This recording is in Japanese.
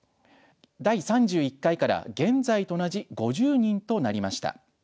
第３１回から現在と同じ５０人となりました。